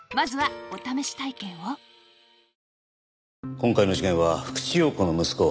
今回の事件は福地陽子の息子